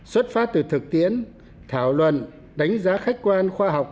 xuất phát từ thực tiễn thảo luận đánh giá khách quan khoa học